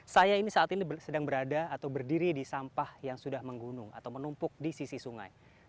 saya ini saat ini sedang berada atau berdiri di sampah yang sudah menggunung atau menumpuk di sisi sungai